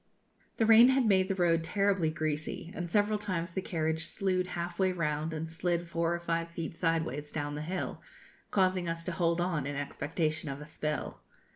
The rain had made the road terribly greasy, and several times the carriage slewed half way round and slid four or five feet sideways down the hill, causing us to hold on, in expectation of a spill.